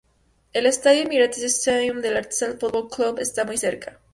El estadio Emirates Stadium, del Arsenal Football Club, está muy cerca.